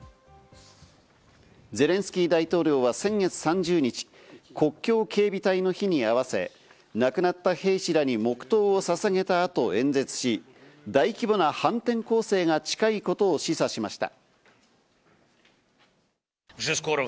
ゼレンスキー大統領は先月３０日、国境警備隊の日にあわせ、亡くなった兵士らに黙祷をささげたあと、演説し、大規模な反転攻勢が近いことを示唆しました。